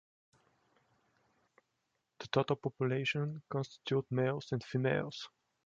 The total population constituted males and females.